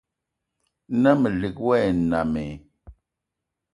Na melig wa e nnam i?